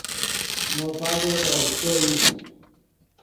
مو پادو ترے ڤیشچو ای